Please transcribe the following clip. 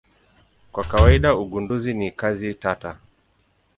Kwa kawaida ugunduzi ni kazi tata.